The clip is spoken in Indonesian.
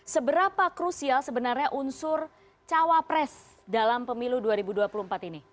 seberapa krusial sebenarnya unsur cawapres dalam pemilu dua ribu dua puluh empat ini